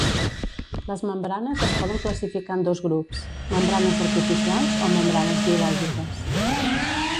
Les membranes es poden classificar en dos grups: membranes artificials o membranes biològiques.